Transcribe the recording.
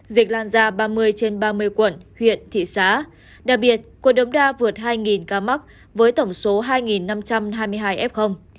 dịch lan ra ba mươi trên ba mươi quận huyện thị xã đặc biệt quận đống đa vượt hai ca mắc với tổng số hai năm trăm hai mươi hai f